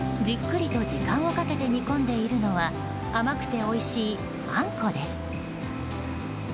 じっくりと時間をかけて煮込んでいるのは甘くておいしいあんこです。